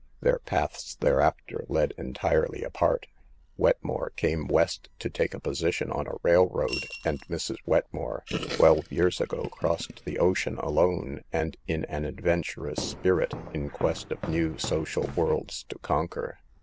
Their paths thereafter led entirely apart. Wetmore came West to take a position on a railroad, and Mrs. Wetmore, twelve years ago, crossed the ocean alone and in an adven turous spirit, in quest of new social worlds to conquer.